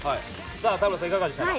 さあ田村さんいかがでしたか？